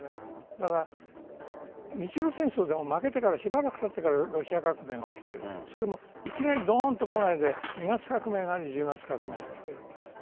だから、日露戦争でも負けてからしばらくたってからロシア革命が起きていきなりドーンと来ないで２月革命があり１０月革命がある。